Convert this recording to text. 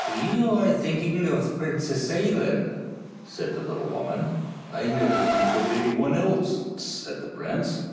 " You are thinking of the Princess Ailinn," said the little woman. " I never think of anyone else," said the prince.